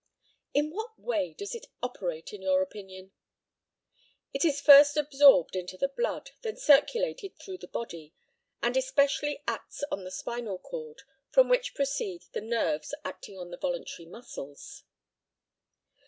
In what way does it operate, in your opinion? It is first absorbed into the blood, then circulated through the body, and especially acts on the spinal cord, from which proceed the nerves acting on the voluntary muscles.